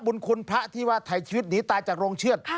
บุญคุณพระที่ว่าถ่ายชีวิตหนีตายจากโรงเชือด